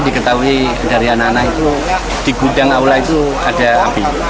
diketahui dari anak anak itu di gudang aula itu ada api